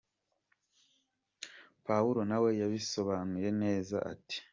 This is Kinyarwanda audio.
Pawulo nawe yabisobanuye neza ati: “….